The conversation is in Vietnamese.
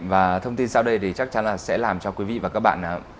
và thông tin sau đây chắc chắn sẽ làm cho quý vị và các bạn